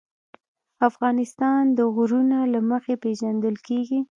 افغانستان د غرونه له مخې پېژندل کېږي.